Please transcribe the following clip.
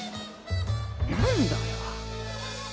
何だよ。